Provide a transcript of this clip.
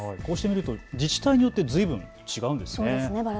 こうしてみると自治体によってずいぶん違うんですね。